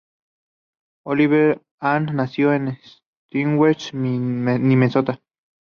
Olive Ann nació en Stillwater, Minnesota.